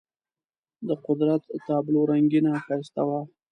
د قدرت تابلو رنګینه ښایسته وه.